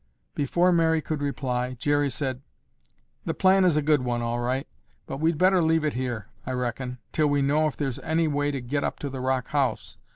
Before Mary could reply, Jerry said, "The plan is a good one, all right, but we'd better leave it here, I reckon, till we know if there's any way to get up to the rock house.